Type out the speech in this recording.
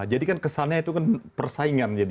jadi kan kesannya itu kan persaingan